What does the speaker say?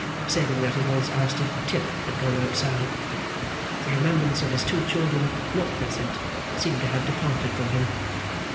Saving that he once asked 'if Tip had gone outside?' the remembrance of his two children not present seemed to have departed from him.